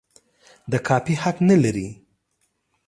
د کاپي حق نه لري.